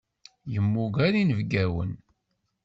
Yemmuger inebgawen.